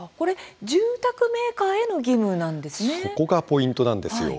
住宅メーカーへの義務なんですね。